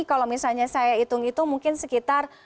kalau misalnya saya hitung hitung mungkin sekitar